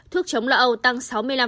thuốc chống lậu tăng sáu mươi năm